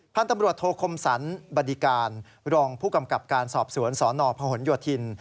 ท่านตำรวจโทคมสรรบดีการรองผู้กำกับการสอบสวนสนพหนโยธิน